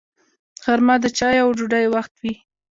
غرمه د چایو او ډوډۍ وخت وي